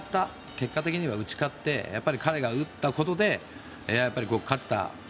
結果的には打ち勝って彼が打ったことで勝てた。